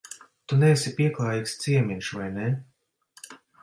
Tu neesi pieklājīgs ciemiņš, vai ne?